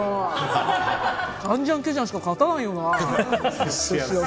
カンジャンケジャンしか勝たないよな。